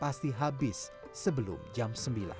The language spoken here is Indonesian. pasti habis sebelum jam sembilan